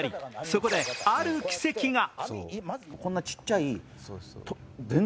そこである奇跡が。